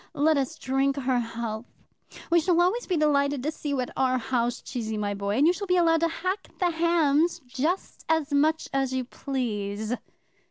Let us drink her health. We shall always be delighted to see you at our house, Cheesy, my boy, and you shall be allowed to hack the hams just as much as you please."